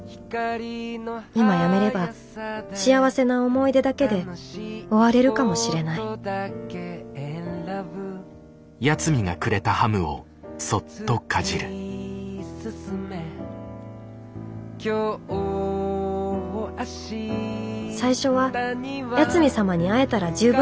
今辞めれば幸せな思い出だけで終われるかもしれない最初は八海サマに会えたら十分だった。